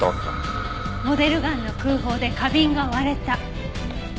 モデルガンの空砲で花瓶が割れた。